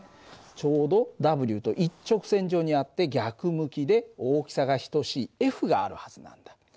ちょうどＷと一直線上にあって逆向きで大きさが等しいＦがあるはずなんだ。